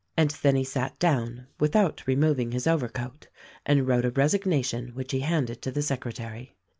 And then he sat down — without removing his overcoat — and wrote a resignation which he handed to the secretary.